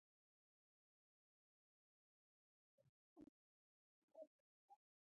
وګورئ که اوسپنیز ماشین د څه مودې لپاره بیکاره پاتې شي.